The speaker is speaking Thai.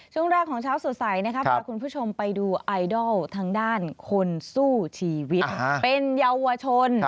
ช่วงแรกของเช้าสุดใสพาคุณผู้ชมไปดูไอดอลทางด้านคนสู้ชีวิต